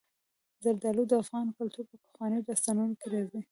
زردالو د افغان کلتور په پخوانیو داستانونو کې راځي.